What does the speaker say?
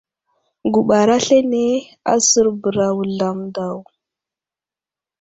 Guɓar aslane asər bəra Wuzlam daw.